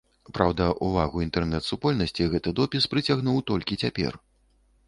Праўда, увагу інтэрнэт-супольнасці гэты допіс прыцягнуў толькі цяпер.